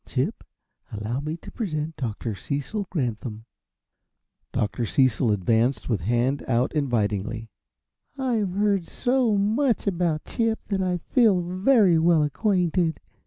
Chip, allow me to present Dr. Cecil Granthum." Dr. Cecil advanced with hand out invitingly. "I've heard so much about Chip that I feel very well acquainted.